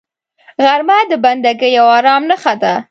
غرمه د بندګۍ او آرام نښانه ده